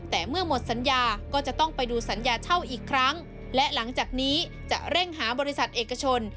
แต่เมื่อหมดสัญญาก็จะต้องไปดูสัญญาเช่าอีกครั้งและหลังจากนี้จะเร่งหาบริษัทเอกชน